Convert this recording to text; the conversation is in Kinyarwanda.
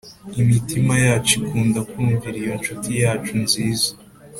Imitima yacu ikunda kumvira iyo nshuti yacu nziza